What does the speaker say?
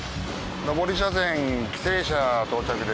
上り車線規制車到着です。